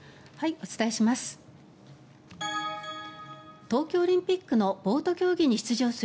お伝えします。